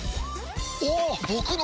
おっ！